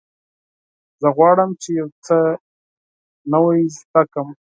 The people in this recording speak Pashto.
زه غواړم چې یو څه نوی زده کړم.